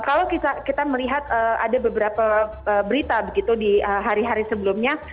kalau kita melihat ada beberapa berita begitu di hari hari sebelumnya